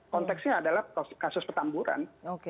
konteksnya adalah kasus petamburan